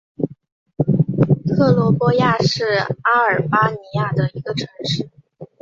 特罗波亚是阿尔巴尼亚的一个城市。